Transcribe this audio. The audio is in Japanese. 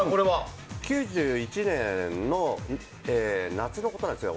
９１年の夏のことなんですよ。